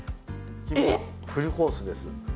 フルコースです。